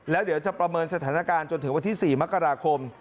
แล้วเดี๋ยวจะประเมินสถานการณ์จนถึงวันที่๔มกราคม